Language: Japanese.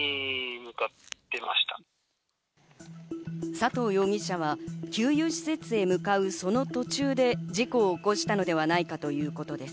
佐藤容疑者は給油施設へ向かうその途中で事故を起こしたのではないかということです。